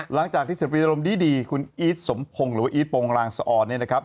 หลังจากที่เสียบีรมดีคุณอีทสมพงษ์หรือว่าอีทโปรงรางสอดเนี่ยนะครับ